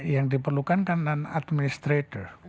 yang diperlukan kan non administrator